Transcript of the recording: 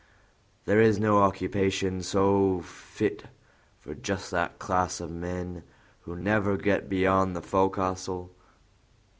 There is no occupation so fit for just that class o' men who never get beyond the fo'cas'le.